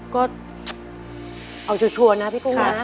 ก็เอาชัวร์นะพี่กุ้งนะ